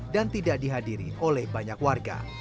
dan tidak dihadiri oleh banyak warga